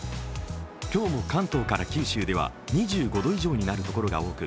今日も関東から九州では２５度以上になるところが多く、